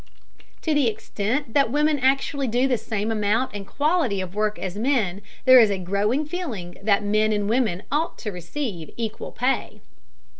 To the extent that women actually do the same amount and quality of work as men, there is a growing feeling that men and women ought to receive equal pay.